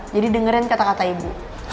jadi dengerin kata kata ibu